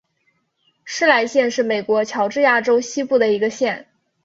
施莱县是美国乔治亚州西部的一个县。